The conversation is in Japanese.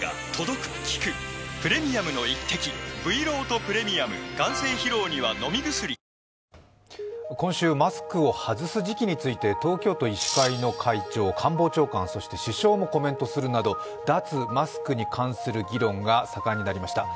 調べに対し、山下容疑者は今週、マスクを外す時期について東京都医師会の会長、官房長官、そして首相もコメントするなど脱マスクに関する議論が盛んになりました。